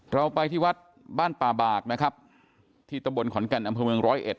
เราไปที่วัดบ้านป่าบากนะครับที่ตำบลขอนแก่นอำเภอเมืองร้อยเอ็ด